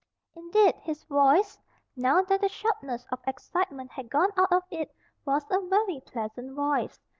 Indeed his voice, now that the sharpness of excitement had gone out of it, was a very pleasant voice.